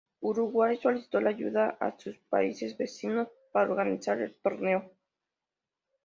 Uruguay solicitó la ayuda a sus países vecinos para organizar el torneo.